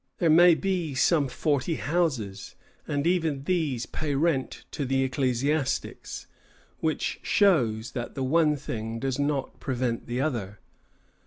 There may be some forty private houses, and even these pay rent to the ecclesiastics, which shows that the one thing does not prevent the other."